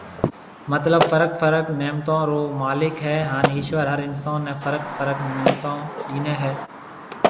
مطلب فرق فرق نعمتون رو مالڪ هي هان ايشور هر انسون ني فرق فرق نعمتون ڏيني هي